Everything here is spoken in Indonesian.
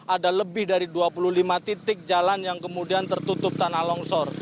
ada lebih dari dua puluh lima titik jalan yang kemudian tertutup tanah longsor